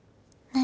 何？